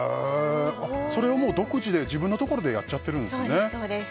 それは独自で自分のところでやっちゃってるんですね。